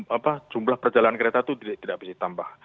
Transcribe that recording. apa jumlah perjalanan kereta itu tidak bisa ditambah